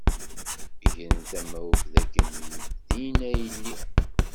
Gren tamawt dakken din ay lliɣ.